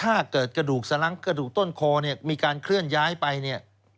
ถ้าเกิดกระดูกสลังกระดูกต้นคอมีการเคลื่อนย้ายไป